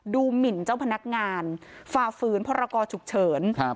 ดูหมิ่นเจ้าพนักงานฝ่าฝืนพระราโกชุกเฉิน